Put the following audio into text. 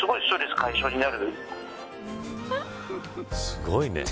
すごいね。